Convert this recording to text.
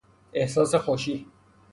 احساس خوشی